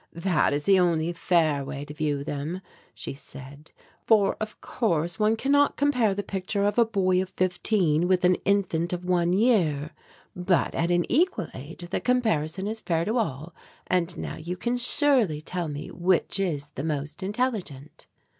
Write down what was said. "That is the only fair way to view them," she said, "for of course one cannot compare the picture of a boy of fifteen with an infant of one year. But at an equal age the comparison is fair to all and now you can surely tell me which is the most intelligent."